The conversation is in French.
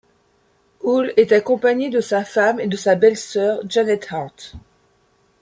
Hull est accompagné de sa femme et de sa belle-sœur Jeanette Hart.